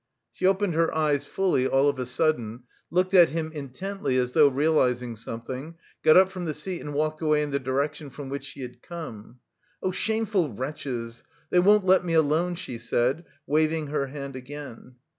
She opened her eyes fully all of a sudden, looked at him intently, as though realising something, got up from the seat and walked away in the direction from which she had come. "Oh shameful wretches, they won't let me alone!" she said, waving her hand again.